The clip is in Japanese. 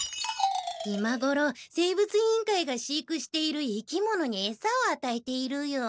今ごろ生物委員会が飼育している生き物にえさをあたえているよ。